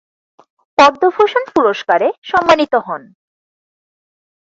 পদ্মভূষণ পুরষ্কারে সম্মানিত হন।